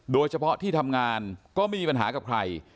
โดยเฉพาะที่ทำงานก็ไม่มีปัญหากับใคร